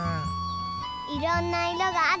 いろんないろがあるね。